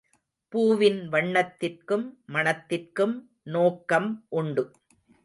பூவின் வண்ணத்திற்கும் மணத்திற்கும் நோக்கம் உண்டு.